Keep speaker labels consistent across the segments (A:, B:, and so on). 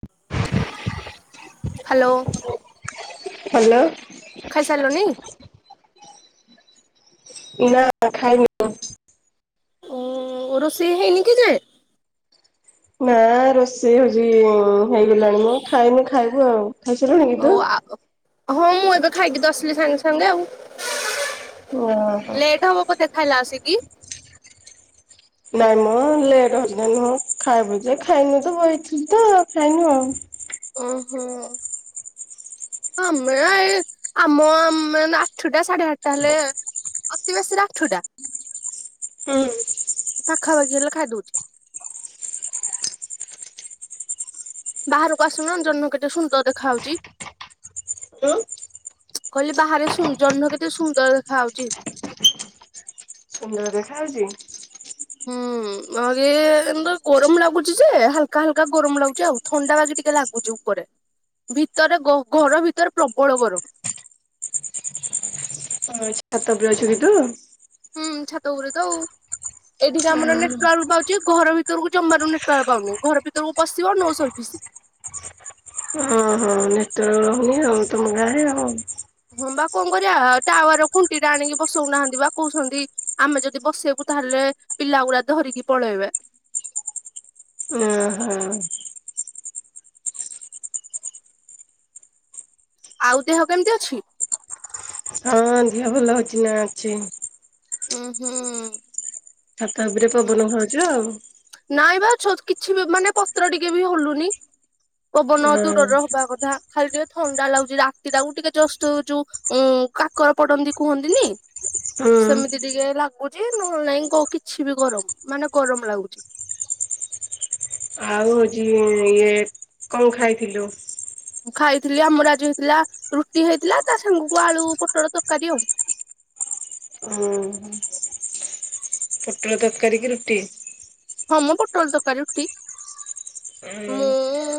A: [inaudible]
B: Hello.
A: Hello.
B: ଖାଇ ସାରିଲୁନି?
A: ନା ଖାଇନି।
B: ଓ ରୋଷେଇ ହେଇନି କି ଏଯାଏଁ?
A: ନା ରୋଷେଇ ହଉଛି ହେଇଗଲାଣି ମଁ ଖାଇନି ଖାଇବୁ ଆଉ। ଖାଇସାରିଲୁଣି କି
B: ଓ
A: ତୁ?
B: ଆଅ ହଁ ମୁଁ ଏବେ ଖାଇକି ତ ଆସିଲି ସାଙ୍ଗେ ସାଙ୍ଗେ ଆଉ।
A: ଓହୋ
B: ଲେଟ୍ ହବ ବୋଧେ ଖାଇଲା ଅସିକି?
A: ନାଇଁ ମଁ ଲେଟ୍ ହଛି ନାହିଁ ଖାଇବୁ ଯେ ଖାଇନୁ ତ ବଇଥିଲୁ ତ ଖାଇନୁ ଆଉ।
B: ଓହୋ। ଆମେ ଏଇ ଆମ ଆମେ ଆଠୁଟା ସାଢେ ଆଠଟା ହେଲେ। ଅତି ବେଶୀରେ ଆଠୁଟା।
A: ହୁଁ।
B: ପାଖା ପାାଖି ହେଲେ ଖାଇ ଦଉଛି। ବାହାରୁକୁ ଆସୁନ ଜହ୍ନ କେତେ ସୁନ୍ଦର ଦେଖାହଉଚି।
A: ତୁ
B: କହିଲି ବାହାରେ ସୁ ଜହ୍ନ କେତେ ସୁନ୍ଦର ଦେଖାଆଉଚି।
A: ସୁନ୍ଦର ଦେଖାାଯାଉଛି। [inaudible]
B: ହୁଁ ଆରେ ଆମର ଗରମ ଲାଗୁଚି ଯେ ହାଲକା ହାଲକା ଗରମ ଲାଗୁଚି ଆଉ ଥଣ୍ଡା ବାକି ଟିକେ ଲାଗୁଚି ଉପରେ। ଭିତରେ ବ ଘର ଭିତରେ ପ୍ରବଳ ଗର
A: [unintelligible] ଛାତ ବି ଅଛି ଭିତୁରୁ?
B: ହୁଁ ଛାତ ଉପୁରେ ତ ଆଉ ଏଇଠିକି ଆମର ନେଟୱାର୍କ ପା ଚି ଘର ଭିତରୁକୁ ଜମାରୁ ନେଟୱାର୍କ ପାଉନି ଘର ଭିତରକୁ ପଶିବ ନୋ ସର୍ଭିସି।
A: ହୁଁ ହୁଁ। ହଁ ନେଟୱର୍କ ରହୁନି ଆଉ ତମ ଗାଁରେ ଆଉ।
B: ହଁ ବା କଣ କରିବା ଟାୱାର ଖୁଣ୍ଟି ଟା ଆଣିକି ବସଉନାହାନ୍ତି ବା କହୁସନ୍ତି। ଆମେ ଯଦି ବସେଇବୁ ତାହେଲେ ପିଲା ଗୁଡା ଧରିକି ପଳେଇବେ।
A: ଉଁ ହୁଁ।
B: ଆଉ ଦେହ କେମତି ଅଛି?
A: ହ ଝିଅ ଭଲ ହଉଛି ନା ଅଛି।
B: ଉଁ ହୁଁ।
A: ଛାତ ଉପରେ
B: ହୁଁ।
A: ପବନ ଖାଉଛୁ ଆଉ।
B: ନାଇଁ ବା ଛୋ କିଛି ମାନେ ପତ୍ର ଟିକେ ବି ହଲୁନି। ପବନ
A: ହଁ
B: ଦୂରରେ ହବା କଥା ଖାଲି ଟିକେ ଥଣ୍ଡା ଲାଗୁଚି ଯାହା ରାତିଟାକୁ ଟିକେ ଜଷ୍ଟ ଯୋଉ। ଉଁ କାକର ପଡନ୍ତି କୁହନ୍ତିନି।
A: ହୁଁ
B: ସେମିତି ଟିକେ ଲାଗୁଚି ନହଲେ ନାଇଁ କୋ କିଛି ବି ଗରମ୍ ମାନେ ଗରମ ଲାଗୁଛି।
A: ଆଉ ହୋଉଚି ଇଏ କଣ ଖାଇଥିଲୁ?
B: ଖାଇଥିଲି ଆମର ଆଜି ହେଇଥିଲା ରୁଟି ହେଇଥିଲା ତା ସାଙ୍ଗକୁ ଆଳୁ ପୋଟଳ ତରକାରୀ ଆଉ।
A: ଉଁ ହୁଁ। ପୋଟଳ ତରକାରୀ କି ରୁଟି?
B: ହଁ ମଁ ପୋଟଳ ତରକାରୀ ରୁଟି। ମୁଁ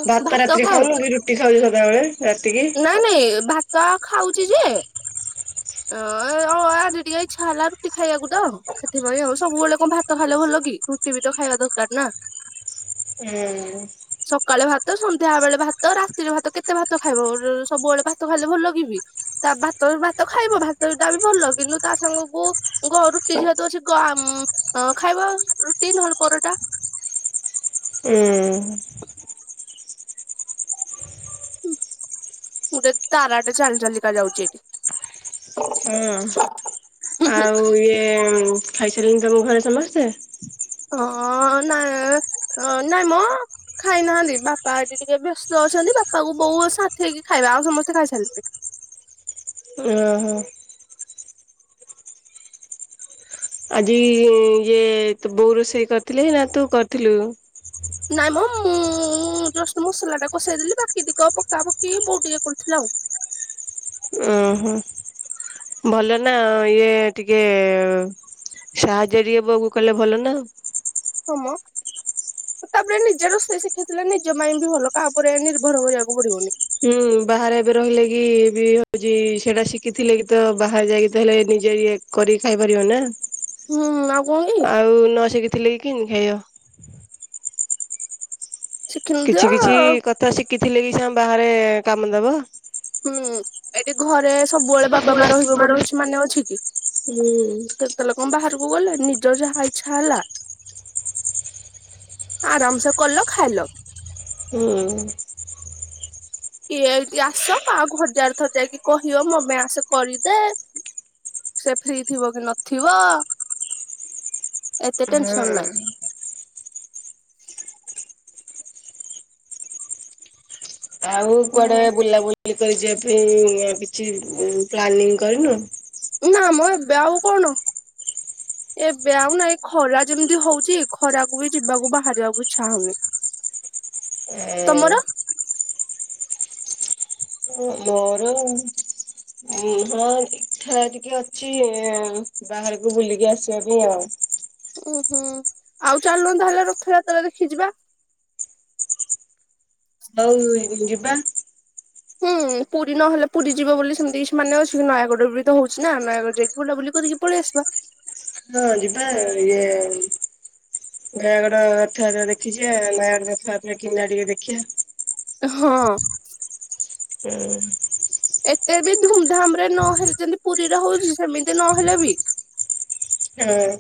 A: ଉଁ ଭାତ ରାତିରେ ଖାଉନୁ କି ରୁଟି ଖାଉଛୁ ସଦାବଳେ ରାତିକି?
B: ନାଇଁ ନାଇଁ ଭାତ ଖାଉଚି ଯେ।
A: [inaudible]
B: ଅ ଆଜି ଟିକେ ଇଚ୍ଛା ହେଲା ରୁଟି ଖାଇବାକୁ ତ ସେଥିପାଇଁ ଆଉ ସବୁବଳେ କଣ ଭାତ ଖାଇଲେ ଭଲ କି ରୁ ଟି ବି ତ ଖାଇବା ଦରକାର ନା।
A: [inaudible] ହୁଁ।
B: ସକାଳେ ଭାତ ସନ୍ଧ୍ୟା ବେଳେ ଭାତ ରାତିରେ ଭାତ କେତେ କେତେ ଭାତ ଖାଇବ ସବୁବେଳେ ଭାତ ଖାଇଲେ ଭଲ ଲାଗିବି ତା ଭାତ ଭାତ ଖାଇବ ଭାତଟା ବି ଭଲ କିନ୍ତୁ ତା ସାଙ୍ଗକୁ ରୁଟି ସତ ଅଛି ଖାଇବା ରୁଟି ନହେଲେ ପରଟା
A: ହୁଁ
B: ଗୋଟେ ତାରାଟେ ଚାଲି ଚାଲିକା ଯାଉଛି ଏଇଠି।
A: ହଁ ଆଉ ଇଏ ଖାଇସାରିଲଣିି ତମ ଘରେ ସମସ୍ତେ?
B: ହଁ ନାଁ ନାଇଁ ମ ଖାଇନାହାନ୍ତି ବାପାଠି ଟିକେ ବ୍ୟସ୍ତ ଅଛନ୍ତି ବାପା କୁ ବୋଉ ସାଥି ହେଇକି ଖାଇବେ ଆଉ ସମସ୍ତେ ଖାଇସାରିଲେ।
A: ଓହୋ ଆଜି ଇଏ ତ ବୋଉ ରୋଷେଇ କରିଥିଲି ନା ତୁ କରିଥିଲୁ
B: ନାଇଁ ମ ମୁଁ ଜଷ୍ଟ ମସଲା ଟା କଷେଇଦେଲି ବାକି ଦିକ ପକା ପକି ବୋଉ ଟିକେ କରୁଥିଲା ଆଉ।
A: ଓହୋ ଭଲ ନା ଇଏ ଟିକେ ସାହାଯ୍ୟ ଟିକେ ବୋଉ କୁ କଲେ ଭଲ ନା।
B: ହମ। ତାପରେ ନିଜେ ରୋଷେଇ ଶିଖେଇଥିଲେ ନିଜ ମାଇଣ୍ଡ ବି ଭଲ କାହା ଉପରେ ନିର୍ଭର କରିବାକୁ ପଡିବନି।
A: ହୁଁ ଅ, ବାହାରେ ଏବେ ରହିଲେ କି ବି ହଉଛି, ସେଟା ଶିଖିଥିଲେ କି ତ ବାହାରେ ଯାଇକି ତ ହେଲେ ନିଜେ ଇଏ କରିକି ଖାଇପାରିବ ନା
B: ହୁଁ ଆଉ କଣ କି
A: ଆଉ ନ ଶିଖିଥିଲେ କି କିମିତି ଖାଇବ
B: ଶିଖିନଥିବ
A: କିଛି କିଛି କଥା ଶିଖିଥିଲେ କି ସିନା ବାହାରେ କାମ ଦବ।
B: ହୁଁ ଏଠି ଘରେ ସବୁବେଳେ ବାବା
A: ହୁଁ।
B: ମା ରହିବ ବୋଲି କିଛି ମାନେ ଅଛି କି କେତେବେଳ କଣ ବାହାରକୁ ଗଲେ ନିଜର ଯାହା ଇଚ୍ଛା ହେଲା ଆରାମସେ କଲ ଖାଇଲ।
A: ହୁଁ
B: କିଏ ଏଇଠି ଆସ କାହାକୁ ହଜାରେ ଥର ଯାଇକି କହିବ ମୋ ପାଇଁ ଆସ କରିଦେ। ସେ ଫ୍ରି ଥିବ କି ନଥିବ ଏତେ ଟେନସନ ନାଇ
A: ହଁ। ଆଉ କୁଆଡେ
B: ହୁଁ
A: ବୁଲାବୁଲି କରିିବା ପାଇଁ କିଛି ପ୍ଲାନିଂ କରିନୁ?
B: ନା ମଁ ଏବେ ଆଉ କଣ
A: [inaudible]
B: ଏବେ ଆଉ ନାଇଁ ଖରା ଯେମିତି ହଉଛି ଖରାକୁ ବି ଯିବାକୁ ବାହାରିବାକୁ ଇଚ୍ଛା ହଉନି।
A: ଏ
B: ତମର
A: ଏ ମୋର ଉ ହଁ ଇଛା ଟିକେ ଅଛି ବାହାରକୁ ବୁଲିକି ଆସିବା ପାଇଁ ଆଉ।
B: ଓ ହୋଁ ଆଉ ଚାଲନୁ ତାହେଲେ ରଥ ଯାତ୍ରା ଦେଖି ଯିବା।
A: ହଉ ଯିବା।
B: ହୁଁ ପୁରୀ ନହେଲେ ପୁରୀ ଯିବ ବୋଲି ସେମିତି କିଛି ମାନେ ଅଛି କି ନୟାଗଡ଼ ବି ତ ହଉଛି ନା ନୟାଗଡ ଯାଇକି ବୁଲା ବୁଲି କରିକି ପାଲେଇଆସିବା
A: ହଁ ଯିବା ଇଏ ନୟାଗଡ ରଥ ଯାତ୍ରା ଦେଖି ଯିବା ନୟାଗଡ ରଥ ଯାତ୍ରା କିନା ଟିକେ ଦେଖିବା।
B: ହଁ
A: ହୁଁ
B: ଏତେ ବି ଧୁମଧାମ ରେ ନହଲେ ଯେମତି ପୁରୀରେ ହଉଛି ସେମିତି ନହେଲେ ବି
A: ହଁ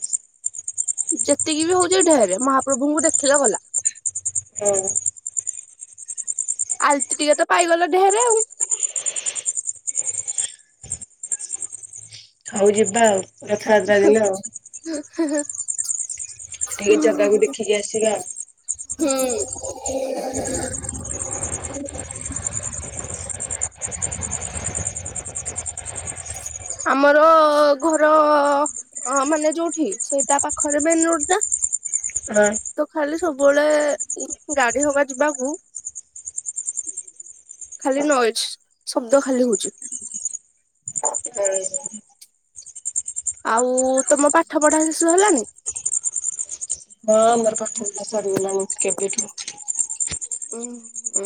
B: ଯେତିକି ବି ହଉଛି ଢେର ମହାପ୍ରଭୁଙ୍କୁ ଦେଖିଲା ଗଲା।
A: ହଁ
B: ଆଲତି ଟିକେ ତ ପାଇଗଲ ଢହେରେ ଆଉ।
A: ହଉ ଯିବା ଆଉ ରଥଯାତ୍ରା ଦିନ ଆଉ।
B: ହ।
A: ଜଗାକୁ ଦେଖିକି ଆସିବା ଆଉ।
B: ହୁଁ। ଆମର ଘର ଅଁ ମାନେ ଯୋଉଠି ସେଇ ତା ପାଖରେ ମାନରୋଡ୍ଟ ଟା
A: ହଁ।
B: ତ ଖାଲି ସବୁବେଳେ ଗାଡି ହବା ଯିବାକୁ ଖାଲି ନ ଶବ୍ଦ ଖାଲି ହଉଛି।
A: ହୁଁ।
B: ଆଉ ତମ ପାଠ ପଢା ଶିଶୁ ହେଲାଣି
A: ହଁ ମୋ ପଠ ପଢା ସରିଗଲା ନି କେବେ ଠୁ।
B: ଉୁଁ ହଁ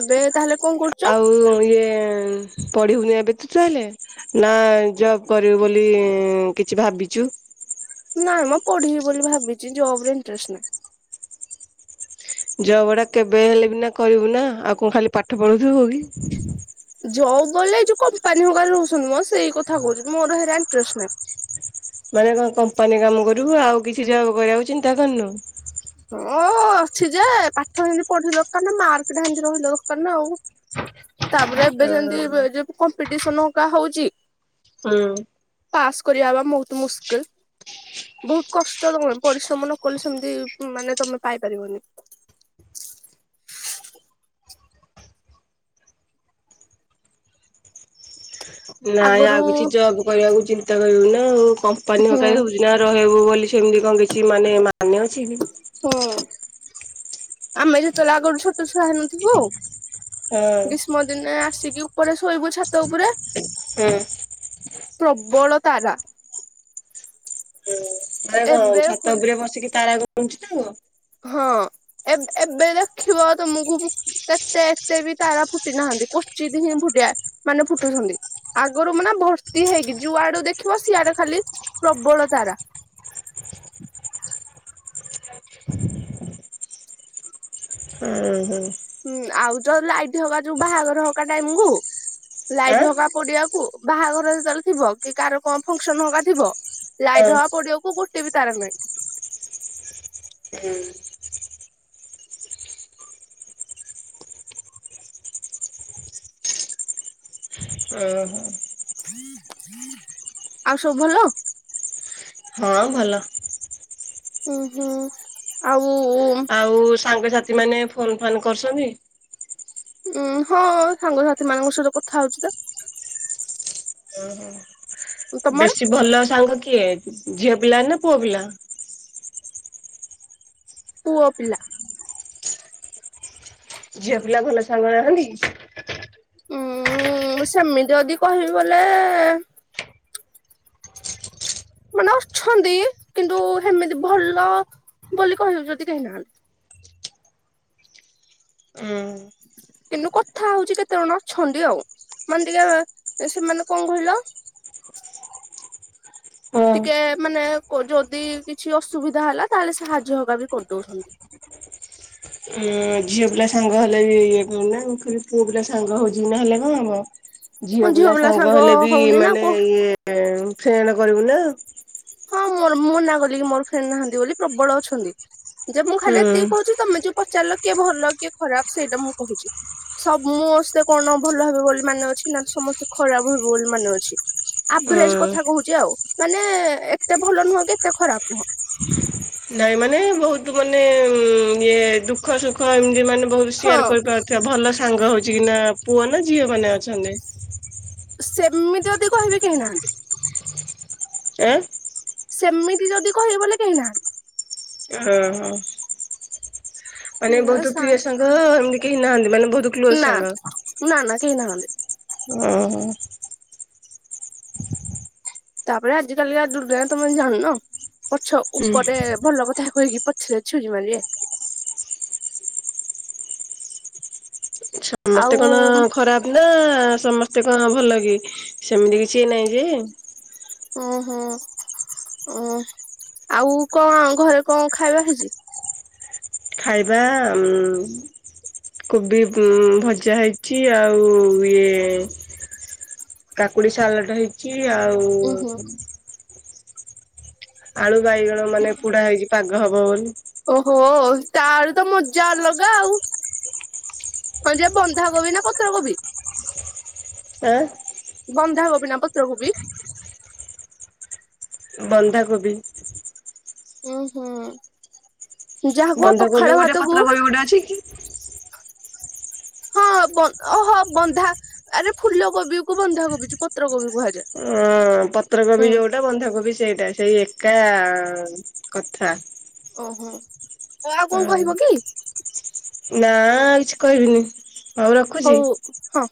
B: ଏବେ ତାହେଲେ କଣ କରୁଛ?
A: ଆଉ ଇଏ ପଢିବୁନି ଏବେ ତୁ ତାହଲେ ନା ଜବ କରିବୁ ବୋଲି କିଛି ଭାବିଛୁ?
B: ନାଇଁ ମୁଁ ପଢିବି ବୋଲି ଭାବିଛି ଜବ ରେ ଇଣ୍ଟରେଷ୍ଟ ନାହିଁ।
A: ଜବ ଟା କେବେ ହେଲେ ବି ନା କରିବୁ ନା ଆଉ କଣ ଖାଲି ପାଠ ପଢୁଥିବ ହଉ କି।
B: ଜବ୍ କଲେ ଏ ଯୋଉ କମ୍ପାନୀ ହରେ ରହୁଛନ୍ତି ମ ସେଇ କଥା କହୁଛି ମୋରଣ୍ଟଷ୍ଟ ନାହିଁ।
A: ମାନେ କଣ କମ୍ପାନୀ କାମ କରୁୁ ଆଉ କିଛି ଜବ୍ କରିବାକୁ ଚିନ୍ତା କରିନୁ?
B: ହଁ ଅଛି ଯେ ପାଠ ଏତି ପଢିଲ ଦରକାର ନା ମାର୍କଟାତି ରହିଲ ଦରକାର ନା ଆଉ। ତାପରେ ଏବେ
A: ଅ
B: ଯେମିତି କମ୍ପିଟିସନା ହଉଛି।
A: ହଁ।
B: ପାସ୍ କରିବା ବା ବହୁତ ମୁସ୍କିଲ। ବହୁତ କଷ୍ଟ ତମେ ପରିଶ୍ରମ ନ କଲେ ସେମିତି ମାନେ ତମେ ପାଇପାରିବନି।
A: ନାଇଁ
B: ଆଗରୁ
A: ଆଉ କିଛି ଜବ୍ କରିବାକୁ ଚିନ୍ତା କରିବୁ ନା ଆଉ କମ୍ପାନୀ
B: ହୁଁ
A: ହଉଛି ନା ହବ ବୋଲି ସେମିତି କଣ କିଛି ମାନେ ମାନେ ଅଛି
B: ହଁ ଆମେ ଯେତେବେଳେ ଆଗରୁ ଛୋଟ ଛୁଆ ହେନଥିବୁ ଆଉ
A: ହଁ।
B: ଗ୍ରୀଷ୍ମ ଦିନେ ଆସିକି ଉପରେ ଶୋଇବୁ ଛାତ ଉପରେ
A: ହୁଁ।
B: ପ୍ରବଳ ତାରା।
A: ରେ କଣ
B: ଏବେ ହଁ
A: ଛାତ ଉପରେ ବସିକି ତାରା ଗଣୁଛି ତ।
B: ହଁ ଏବେ ଦେଖିବ ତମକୁ କେତେ ଏତେ ବି ତାରା ଫୁଟି ନାହାନ୍ତି କଚିଦ ହିଁ ଫୁଟିଆ ମାନେ ଫୁଟୁଛନ୍ତି। ଆଗରୁ ମାନେ ଭର୍ତ୍ତି ହେଇକି ଯୋଉ ଆଡୁ ଦେଖିବ ସିଆଡେ ଖାଲି ପ୍ରବଳ ତାରା।
A: ହୁଁ ହୁଁ।
B: ହୁଁ ଆଉ ଯୋଉ ଲାଇଟ୍ ହବା ଯୋଉ ବାହାଘର ହକା ଟାଇମ କୁ ଲାଇଟ
A: ଆଁ
B: ହଙ୍କକା ପଡିବାକୁ ବାହାଘର ଯେତେବେଳେ ଥିବ କି କାହାର କଣ ଫଙ୍କସନ ହବାର୍‌ ଥିବ। ଲାଇଟ ହବା
A: ହଁ
B: ପଡିବାକୁ ଗୋଟେ ବି ତାର ନୁହିଁ।
A: ହୁଁ। ଓହୋ।
B: ଆଉ ସବୁ ଭଲ?
A: ହଁ ଭଲ।
B: ହୁଁ ହୁଁ ଆଉ।
A: ଆଉ ସାଙ୍ଗସାଥି ମାନେ ଫୋନ ଫନ୍ କରୁଛନ୍ତି?
B: ଉଁ ହଁ ସାଙ୍ଗସାଥି ମାନଙ୍କ ସହିତ କଥା ହଉଛି ତ।
A: ଓହୋ
B: ତମର
A: ବେଶୀ ଭଲ ସାଙ୍ଗ କିଏ ଝିଅ ପିଲା ନା ପୁଅ ପିଲା।
B: ପୁଅ ପିଲା।
A: ଝିଅ ପିଲା ଭଲ ସାଙ୍ଗ ନାହାନ୍ତି।
B: ଉୁଁ ସେମିତି ଯଦି କହିବି ବୋଲେ ମାନେ ଅଛନ୍ତି କିନ୍ତୁ ସେମିତି ଭଲ ବୋଲି କହିବ ଯଦି କେହି ନାହାନ୍ତି।
A: ହଁ।
B: କିନ୍ତୁ କଥା ହଉଛି କେତେ ଜଣ ଅଛନ୍ତି ଆଉ ମାନେ ଟିକେ ସେମାନେ କଣ କହିଲ।
A: ହଁ
B: ଟିକେ ମାନେ ଯଦି କିଛି ଅସୁବିଧା ହେଲା ତାହେଲେ ସାହାଯ୍ୟ ହବା ବି କରିଦଉଛନ୍ତି।
A: ଝିଅ ପିଲା ସାଙ୍ଗ ହେଲେ ବି ଇଏ କୁନ ଖାଲି ପୁଅ ପିଲା ସାଙ୍ଗ ହଉଛିି କି ନହେଲେ କଣ ହବ। ଝିଅ ପିଲା ସାଙ୍ଗ ହେଲେ ବି ମାନେ ଇଏ ଫ୍ରେଣ୍ଡ କରିବୁ ନା।
B: ହଁ ମୋର ମୁଁ ମନା କଲିିକ ମୋର ଫ୍ରେଣ୍ଡ ନାହାନ୍ତି ବୋଲି ପ୍ରବଳ ଅଛନ୍ତି ଯେ ମୁଁ
A: ହୁଁ
B: ଖାଲି ଏତିକ କହୁଛି ତମେ ଯୋଉ ପଚାରିଲ କିଏ ଭଲ କିଏ ଖରାପ ସେଇଟା ମୁଁ କହୁଛି। ସମସ୍ତେ କଣ ଭଲ ହେବେ ବୋଲି ମାନେ ଅଛି ନା ସମସ୍ତେ ଖରାପ ହେବେ ବୋଲି ମାନେ ଅଛି। ଆଭରେଜ
A: ହୁଁ।
B: କଥା କହୁଛି ଆଉ ମାନେ ଏତେ ଭଲ ନୁହଁ କି ଏତେ ଖରାପ ନୁହଁ।
A: ନାଇଁ ମାନେ ବହୁତ ମାନେ ଇଏ ଦୁଃଖ ସୁଖ ଏମତି ମାନେ ବହୁତ ସେୟାର
B: ହଁ
A: କରିପାରୁ ସେ ଭଲ ସାଙ୍ଗ ହଉଛି କି ନା ପୁଅ ନା ଝିଅ ମାନେ ଅଛନ୍ତି।
B: ସେମିତି ଯଦି କହିବି କେହି ନାହାନ୍ତି।
A: ଆଁ।
B: ସେମିତି ଯଦି କହିବ ବୋଲେ କେହି ନାହାନ୍ତି।
A: ହଁ ହଁ। ମାନେ ବହୁତ ପ୍ରିୟ ସାଙ୍ଗ ଏମିତି କେହି ନାହାନ୍ତି ମାନେ ବହୁତ କ୍ଲୋଜ
B: ନା
A: ସାଙ୍ଗ
B: ନା ନା କେହି ନାହାନ୍ତି।
A: ଓହୋ।
B: ତାପରେ ଆଜିିକାଲି ଆଉ ଦୁର୍ଗା ତମେ ଜାଣୁନ ପଛ
A: ହୁଁ।
B: ଉପରେ ଭଲ କଥା କହିକି ପ ଛରେ ଛୁରୀ ମାରିବେ।
A: ସମସ୍ତେ
B: ଆଉ
A: କଣ ଖରାପ ନା ସମସ୍ତେ କଣ ଭଲ କି ସେମିତି କିଛି ନାଇଁ ଯେ।
B: ଓୁଁ ହୁଁ ଆଉ କଣ ଘରେ କଣ ଖାଇବା ହେଇଛି।
A: ଖାଇବା କୋବି ଭଜା ହେଇଛି ଆଉ ଇଏ କାକୁଡି ସାଲଟ ହେଇଛି ଆଉ
B: ଉଁ ହୁଁ।
A: ଆଳୁ ବାଇଗଣ ମାନେ ପୁଡା ହେଇଛି ପାଗ ହବ ବୋଲି।
B: ଓହୋ ତାର ତ ମଜା ଅଲଗା ଆଉ। ହଁ ଯେ ବନ୍ଧାକୋବି ନା ପତ୍ରକୋବି।
A: ଆଁ।
B: ବନ୍ଧାକୋବି ନା ପତ୍ରକୋବି।
A: ବନ୍ଧାକୋବି।
B: ହୁଁ ହୁଁ। ଯାହାକୁ ଆଉ ପଖାଳ
A: ବନ୍ଧକୋବି ଗୋଟେ
B: ଭାତକୁ
A: ପତ୍ରକୋବି ଗୋଟେ ଅଛି କି।
B: ହଁ ଓହୋ ବନ୍ଧା ଆରେ ଫୁଲ କୋବି କୁ ବନ୍ଧାକୋବି ପତ୍ରକୋବି କୁହାଯାଏ।
A: ହଁ ପତ୍ରକୋବି
B: ହୁଁ
A: ଯୋଉଟା ପତ୍ର କୋବି ଯୋଉଟା ବନ୍ଧାକୋବି ସେଇଟା ସେଇ ଏକା କଥା।
B: ଓହୋ। ଆଉ କଣ
A: ହଁ
B: କହିବ କି
A: ନା ଆଉ କିଛି କହିବିନି।
B: ହଉ ହଁ